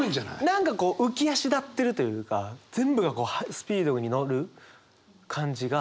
何かこう浮き足立ってるというか全部がスピードに乗る感じが。